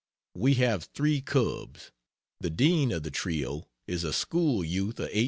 We have 3 cubs. The dean of the trio is a school youth of 18.